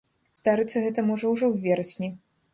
Здарыцца гэта можа ўжо ў верасні.